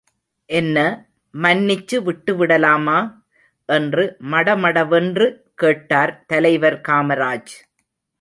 என்ன, மன்னிச்சு விட்டுவிடலாமா? என்று மடமடவென்று கேட்டார் தலைவர் காமராஜ்.